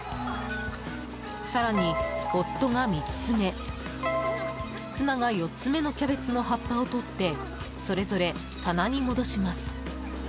更に夫が３つ目、妻が４つ目のキャベツの葉っぱを取ってそれぞれ棚に戻します。